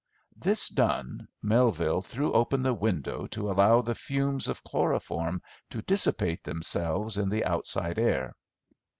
This done, Melville threw open the window to allow the fumes of chloroform to dissipate themselves in the outside air.